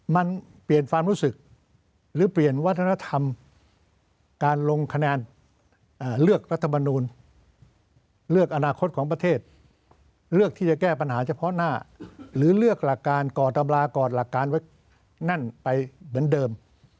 มันเปลี่ยนความรู้สึกหรือเปลี่ยนวัฒนธรรมการลงคะแนนเลือกรัฐมนูลเลือกอนาคตของประเทศเลือกที่จะแก้ปัญหาเฉพาะหน้าหรือเลือกหลักการก่อตำรากอดหลักการไว้นั่นไปเหมือนเดิม